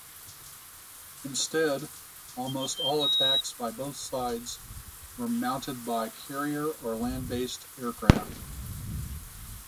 Instead, almost all attacks by both sides were mounted by carrier or land-based aircraft.